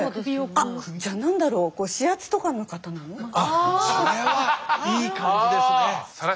あっそれはいい感じですね。